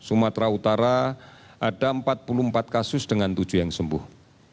sumatera utara ada empat puluh empat kasus dengan tujuh yang sembuh